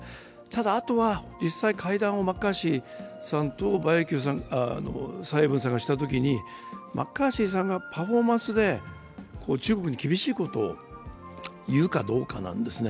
ただ、あと実際に会談をマッカーシーさんと蔡英文さんがしたときマッカーシーさんがパフォーマンスで中国に厳しいことを言うかどうかなんですね。